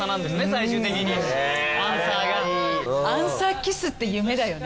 最終的にアンサーがアンサーキスって夢だよね